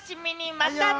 またね！